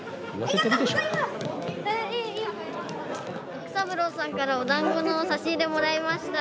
育三郎さんからおだんごの差し入れもらいました。